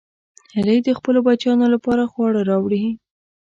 هیلۍ د خپلو بچیانو لپاره خواړه راوړي